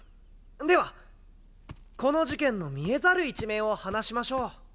ではこの事件の見えざる一面を話しましょう。